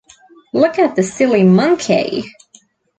Look at the silly monkey!